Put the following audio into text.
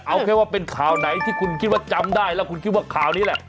เอาแค่ว่าเป็นข่าวไหนที่คุณคิดว่าจำได้แล้วคุณคิดว่าข่าวนี้แหละ